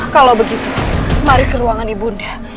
kalau begitu mari ke ruangan ibu anda